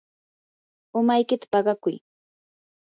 umaykita paqakuy.